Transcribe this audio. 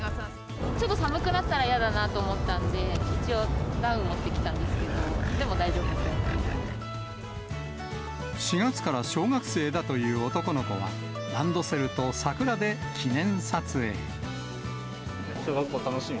ちょっと寒くなったら嫌だなと思ったんで、一応、ダウン持ってきたんですけど、でも大丈夫そ４月から小学生だという男の子は、小学校楽しみ？